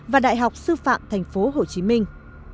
và đại học sư phạm thành phố hồ chí minh